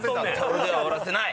俺では終わらせない。